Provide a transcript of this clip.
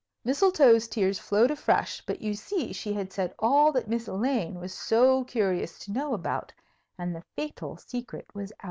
Mistletoe's tears flowed afresh; but you see she had said all that Miss Elaine was so curious to know about, and the fatal secret was out.